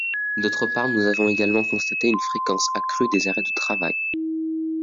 D’autre part, nous avons également constaté une fréquence accrue des arrêts de travail.